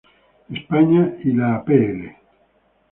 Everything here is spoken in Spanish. España y la Pl.